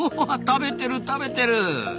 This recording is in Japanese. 食べてる食べてる。